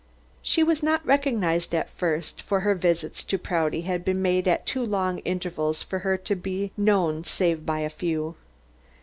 She was not recognized at first, for her visits to Prouty had been made at too long intervals for her to be known save by a few.